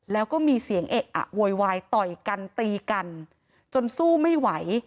แล้วก็มีเสียงเอะอะโวยวายต่อยกันตีกันจนสู้ไม่ไหว